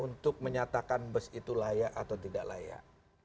untuk menyatakan bus itu layak atau tidak layak